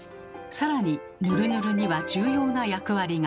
更にヌルヌルには重要な役割が。